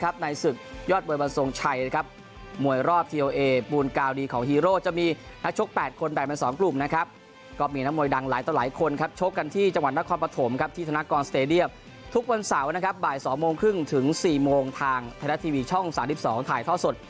บ่าย๒โมงครึ่งถึง๔โมงทางไทยทัศน์ทีวีช่อง๓๒ถ่ายท่อสด